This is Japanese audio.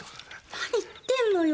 何言ってんのよ。